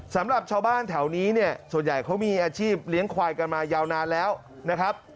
สำหรับชาวบ้านแถวนี้เนี่ยส่วนใหญ่เขามีอาชีพเลี้ยงควายกันมายาวนานแล้วนะครับ